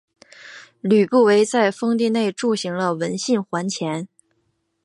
吕不韦在封地内铸行了文信圜钱。